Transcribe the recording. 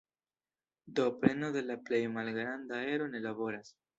Do preno de la plej malgranda ero ne laboras.